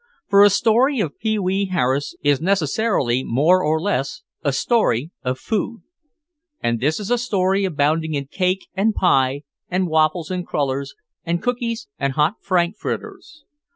For a story of Pee wee Harris is necessarily more or less a story of food. And this is a story abounding in cake and pie and waffles and crullers and cookies and hot frankfurters.